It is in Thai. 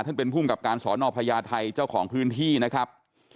เป็นภูมิกับการสอนอพญาไทยเจ้าของพื้นที่นะครับ